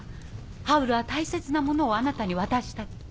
ハウルは大切なものをあなたに渡したって。